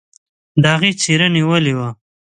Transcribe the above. د هغې څيره نيولې وه.